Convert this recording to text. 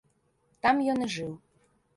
Там ён і жыў.